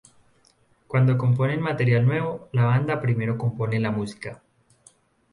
Cuando componen material nuevo, la banda primero compone la música.